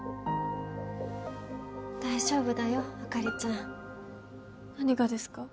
大丈夫だよ朱里ちゃん。何がですか？